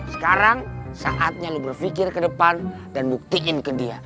sekarang saatnya lu berpikir ke depan dan buktiin ke dia